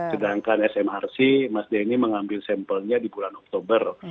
sedangkan smrc mas denny mengambil sampelnya di bulan oktober